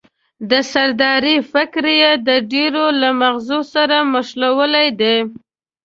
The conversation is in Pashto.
د سردارۍ فکر یې د ډېرو له مغزو سره مښلولی دی.